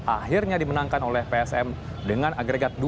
akhirnya dimenangkan oleh psm dengan agregat dua